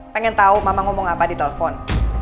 pengen tau mama ngomong apa di telpon